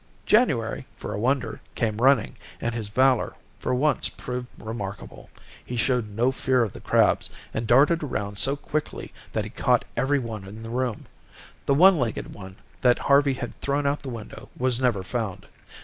January, for a wonder, came running, and his valor for once proved remarkable. He showed no fear of the crabs, and darted around so quickly that he caught every one in the room. The one legged one that Harvey had thrown out of the window was never found.